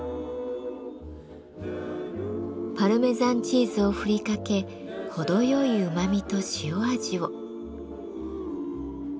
パルメザンチーズをふりかけ程よいうまみと塩味を。